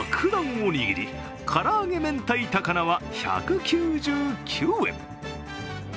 おにぎり唐揚げ明太高菜は１９９円。